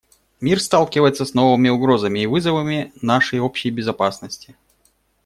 Мир сталкивается с новыми угрозами и вызовами нашей общей безопасности.